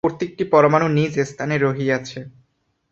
প্রত্যেকটি পরমাণু নিজ স্থানে রহিয়াছে।